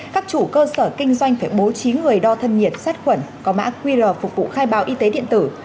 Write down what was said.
các chủ cơ sở kinh doanh phải bố trí người đo thân nhiệt sát khuẩn có mã qr phục vụ khai báo y tế điện tử